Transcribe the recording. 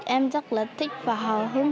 em rất là thích và hào hứng